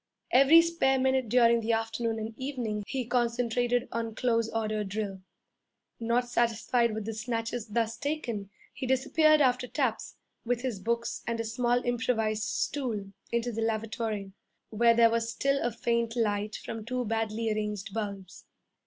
Every spare minute during the afternoon and evening he concentrated on close order drill. Not satisfied with the snatches thus taken, he disappeared after taps, with his books and a small improvised stool, into the lavatory, where there was still a faint light from two badly arranged bulbs.